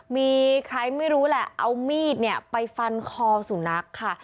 มีใครไม่รู้แหละเอามีดเนี่ยไปฟันคอสุนัขค่ะ